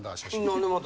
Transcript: あなるほど。